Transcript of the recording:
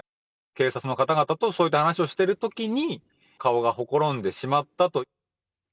警察の方々とそういった話をしてるときに、顔がほころんでしまったと。